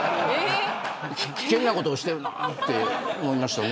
危険なことしてるなって思いましたね。